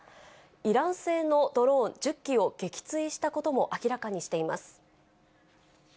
イラン製のドローン１０機を撃墜したことも明らかにしています。